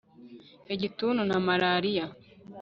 igituntu na malariya